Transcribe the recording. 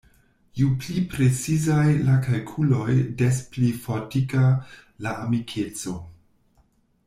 Ju pli precizaj la kalkuloj, des pli fortika la amikeco.